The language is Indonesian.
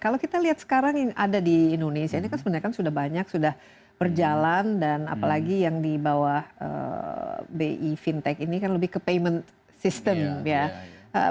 kalau kita lihat sekarang yang ada di indonesia ini kan sebenarnya sudah banyak sudah berjalan dan apalagi yang di bawah bi fintech ini kan lebih ke payment system ya